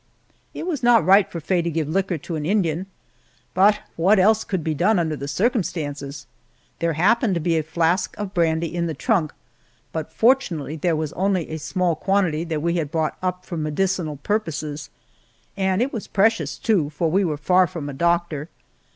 It was not right for Faye to give liquor to an Indian, but what else could be done under the circumstances? There happened to be a flask of brandy in the trunk, but fortunately there was only a small quantity that we had brought up for medicinal purposes, and it was precious, too, for we were far from a doctor.